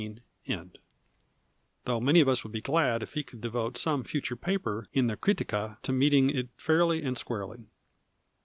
end), though many of us would be glad if he could devote some future paper in the Critica to meeting it fairly and squarely.